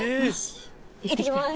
いってきます！